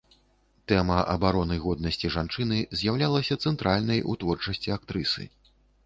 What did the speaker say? Тэма абароны годнасці жанчыны з'яўлялася цэнтральнай у творчасці актрысы.